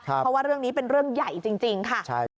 เพราะว่าเรื่องนี้เป็นเรื่องใหญ่จริงค่ะ